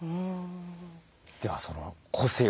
ではその個性をですね